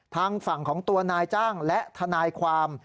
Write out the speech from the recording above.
ทางฝั่งของตัวนายจ้างและทนายความ